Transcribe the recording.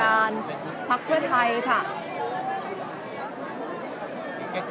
และที่อยู่ด้านหลังคุณยิ่งรักนะคะก็คือนางสาวคัตยาสวัสดีผลนะคะอดีตสอบบัญชีวรายชื่อภักดิ์เพื่อไทยค่ะ